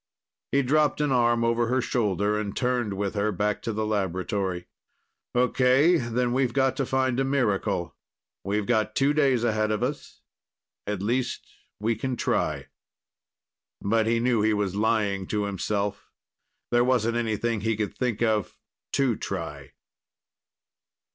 He dropped an arm over her shoulder and turned with her back to the laboratory. "Okay, then we've got to find a miracle. We've got two days ahead of us. At least we can try." But he knew he was lying to himself. There wasn't anything he could think of to try.